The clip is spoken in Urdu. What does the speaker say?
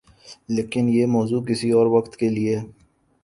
لیکن یہ موضوع کسی اور وقت کے لئے۔